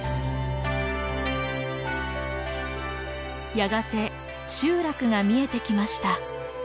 やがて集落が見えてきました。